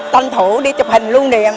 tân thủ đi chụp hình luôn đi